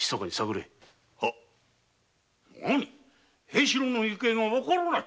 平四郎の行方がわからぬ？